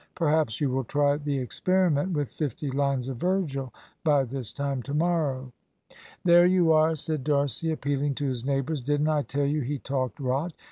Perhaps you will try the experiment with fifty lines of Virgil by this time to morrow." "There you are," said D'Arcy, appealing to his neighbours; "didn't I tell you he talked rot?